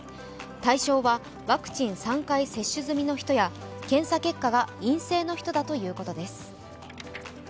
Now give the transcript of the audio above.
対象はワクチン３回接種済みの人や検査結果が陰性の人だということです。